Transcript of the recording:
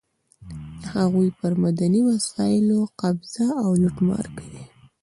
د هغوی پر معدني وسایلو قبضه او لوټمار کوي.